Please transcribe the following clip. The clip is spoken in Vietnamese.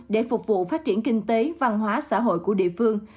để phục vụ phát triển kinh tế văn hóa xã hội của địa phương